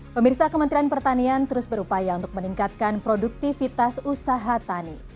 pemirsa kementerian pertanian terus berupaya untuk meningkatkan produktivitas usaha tani